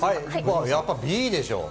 やっぱＢでしょ。